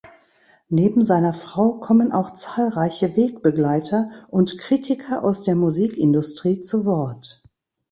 Neben seiner Frau kommen auch zahlreiche Wegbegleiter und Kritiker aus der Musikindustrie zu Wort.